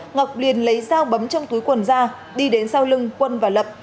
ngọc liền lấy dao bấm trong túi quần ra đi đến sau lưng quân và lập